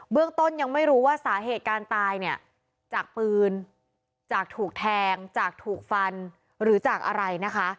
เรื่องต้นยังไม่รู้ว่าสาเหตุการตายเนี่ยจากปืนจากถูกแทงจากถูกฟันหรือจากอะไรนะคะ